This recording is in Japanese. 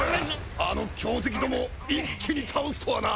あの強敵どもを一気に倒すとはな。